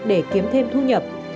để kiếm thêm thu nhập